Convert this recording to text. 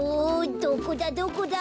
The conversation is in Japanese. どこだどこだ！